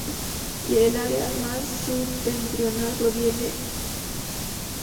Y del área más septentrional provienen las inscripciones sobre piezas de cerámica.